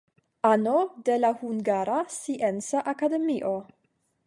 Ano de la Hungara Scienca Akademio.